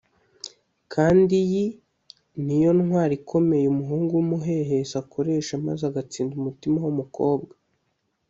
kandi yi niyo ntwaro ikomeye umuhungu w’umuhehesi akoresha maze agatsinda umutima w’umukobwa